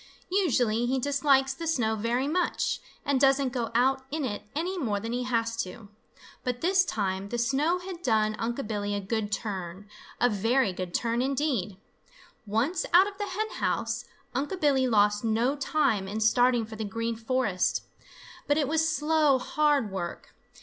Usually he dislikes the snow very much, and doesn't go out in it any more than he has to. But this time the snow had done Unc' Billy a good turn, a very good turn, indeed. Once out of the hen house, Unc' Billy lost no time in starting for the Green Forest. But it was slow, hard work.